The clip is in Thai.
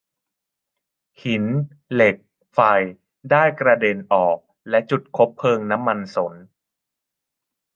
หินเหล็กไฟได้กระเด็นออกและจุดคบเพลิงน้ำมันสน